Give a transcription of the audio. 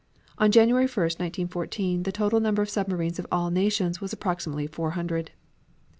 On January 1, 1914, the total number of submarines of all nations was approximately four hundred.